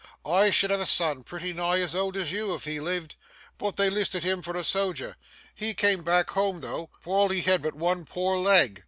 I should have a son pretty nigh as old as you if he'd lived, but they listed him for a so'ger he come back home though, for all he had but one poor leg.